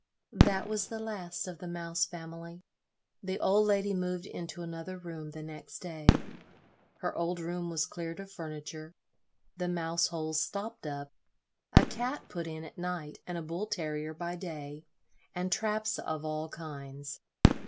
That was the last of the Mouse family. The old lady moved into another room the next day. Her old room was cleared of furniture, the mouse holes stopped up, a cat put in at night, and a bull terrier by day, and traps of all kinds.